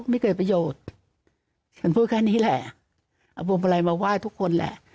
ไม่เกิดประโยชน์ฉันพูดแค่นี้แหละเอาพวงมาลัยมาไหว้ทุกคนแหละ